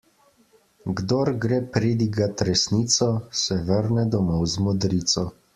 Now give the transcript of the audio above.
Kdor gre pridigat resnico, se vrne domov z modrico.